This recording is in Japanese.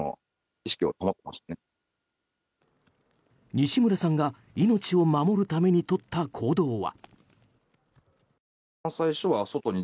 西村さんが命を守るためにとった行動は。